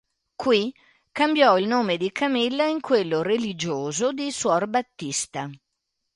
Qui cambiò il nome di Camilla in quello religioso di suor Battista.